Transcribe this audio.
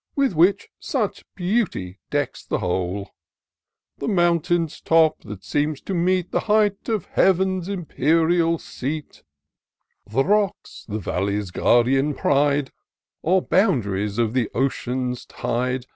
Which with such beauty decks the whole. The mountain's top, that seems to meet The height of Heaven's imperial seat ; L L i 258 TOUR OF DOCTOR SYNTAX The rocks, the valley's guardian pride, Or boundaries of the ocean's tide.